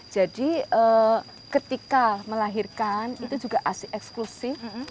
jadi ketika melahirkan itu juga eksklusif